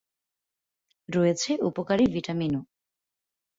রয়েছে উপকারী ভিটামিনও।